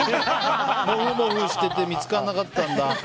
もふもふしてて見つかんなかったんだ。